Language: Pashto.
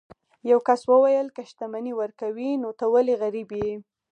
یو کس وویل که شتمني ورکوي نو ته ولې غریب یې.